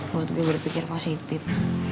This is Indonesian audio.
buat gue berpikir positif